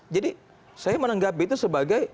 jadi saya menanggapi itu sebagai